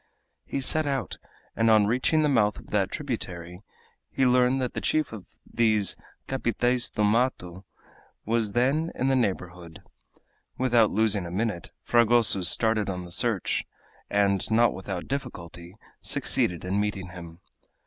He set out, and on reaching the mouth of that tributary he learned that the chief of these capitaes da mato was then in the neighborhood. Without losing a minute, Fragoso started on the search, and, not without difficulty, succeeded in meeting him.